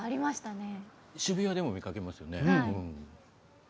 渋谷でも見かけますよね。